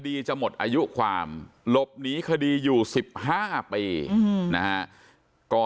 จะหมดอายุความหลบหนีคดีอยู่๑๕ปีนะฮะก่อ